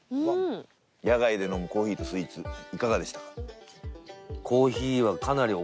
野外でのコーヒーとスイーツいかがでしたか？